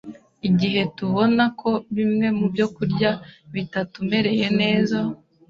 Igihe tubona ko bimwe mu byokurya bitatumereye neza,